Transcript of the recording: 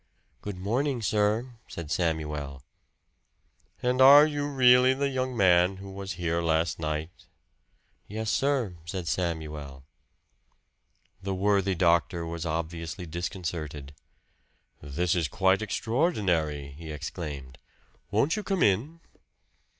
"Good morning, sir," said Samuel. "And are you really the young man who was here last night?" "Yes, sir," said Samuel. The worthy doctor was obviously disconcerted. "This is quite extraordinary!" he exclaimed. "Won't you come in?"